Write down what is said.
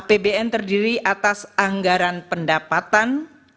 api bn terdiri atas anggaran pendapatan